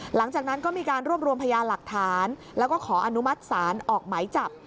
หลังจากนั้นก็มีการรวบรวมพยานหลักฐานแล้วก็ขออนุมัติศาลออกไหมจับ